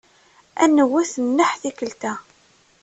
Ad nwet nneḥ tikkelt-a.